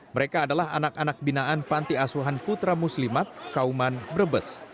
mereka adalah anak anak binaan panti asuhan putra muslimat kauman brebes